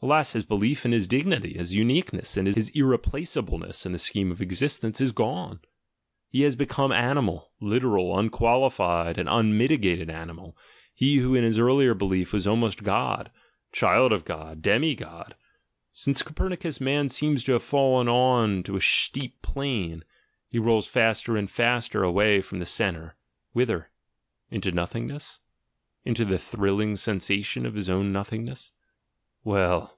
Alas, his belief in his dignity, his uniqueness, his irreplaceableness in the scheme of existence, is gone — he has become animal, literal, unqualified, and unmiti gated animal, he who in his earlier belief was almost God ("child of God," "demi God"). Since Copernicus man seems to have fallen on to a steep plane — he rolls faster and faster away from the centre — whither? into nothing ness? into the "thrilling sensation of his own nothingness"? — Well!